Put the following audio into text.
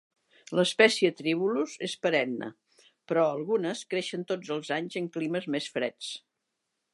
L"espècie "tribulus" és perenne, però algunes creixen tots els anys en climes més freds.